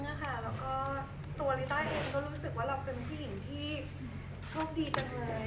แล้วก็ตัวลิต้าเองก็รู้สึกว่าเราเป็นผู้หญิงที่โชคดีจังเลย